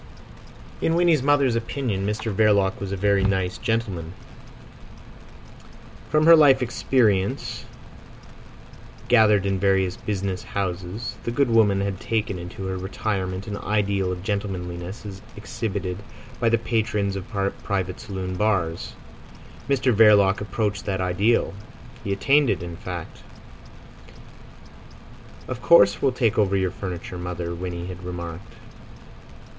In Winnie's mother's opinion Mr Verloc was a very nice gentleman. From her life's experience gathered in various "business houses" the good woman had taken into her retirement an ideal of gentlemanliness as exhibited by the patrons of private saloon bars. Mr Verloc approached that ideal; he attained it, in fact. "Of course, we'll take over your furniture, mother," Winnie had remarked.